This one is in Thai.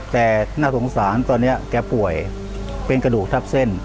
แต่น่าสงสารตอนนี้แกป่วยเป็นกระดูกทับเส้น